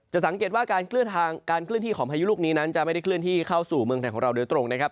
สังเกตว่าการเคลื่อนที่ของพายุลูกนี้นั้นจะไม่ได้เคลื่อนที่เข้าสู่เมืองไทยของเราโดยตรงนะครับ